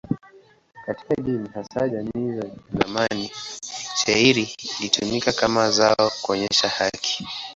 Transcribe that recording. Katika dini, hasa jamii za zamani, shayiri ilitumika kama zao kuonyesha haki.